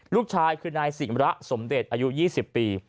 ลูกชายคือนายสิมระสมเด็จอายุ๒๐ปี